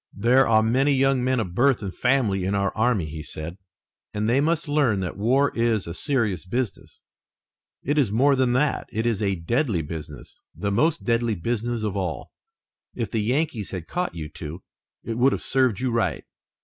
"There are many young men of birth and family in our army," he said, "and they must learn that war is a serious business. It is more than that; it is a deadly business, the most deadly business of all. If the Yankees had caught you two, it would have served you right."